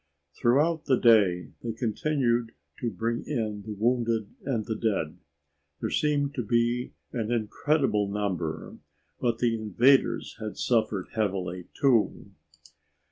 Throughout the day they continued to bring in the wounded and the dead. There seemed to be an incredible number, but the invaders had suffered heavily, too.